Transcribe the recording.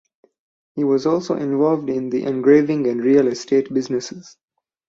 He was also involved in the engraving and real estate businesses.